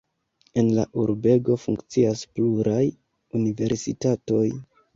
En la urbego funkcias pluraj universitatoj.